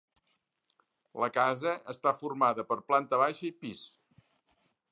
La casa està formada per planta baixa i pis.